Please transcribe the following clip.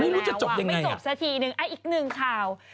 ไม่รู้จะจบยังไง